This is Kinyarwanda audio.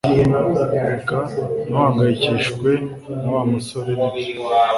Reba ntuhangayikishijwe na Wa musore Nibyo